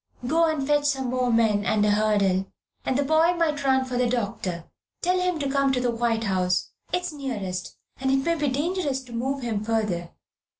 Go and fetch some more men and a hurdle, and the boy might run for the doctor. Tell him to come to the White House. It's nearest, and it may be dangerous to move him further."